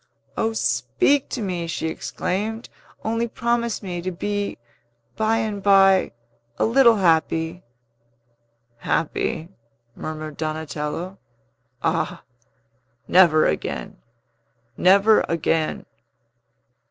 "O, speak to me!" she exclaimed. "Only promise me to be, by and by, a little happy!" "Happy?" murmured Donatello. "Ah, never again! never again!"